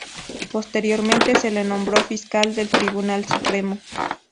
Posteriormente se le nombró Fiscal del Tribunal Supremo.